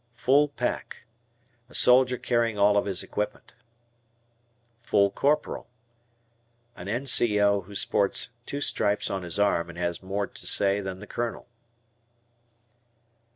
"Full pack." A soldier carrying all of his equipment. Full Corporal. A N.C.O. who sports two stripes on his arm and has more to say than the Colonel.